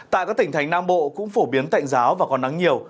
tại các tỉnh thành nam bộ cũng phổ biến tạnh giáo và còn nắng nhiều